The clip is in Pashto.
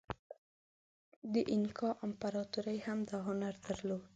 د اینکا امپراتورۍ هم دا هنر درلود.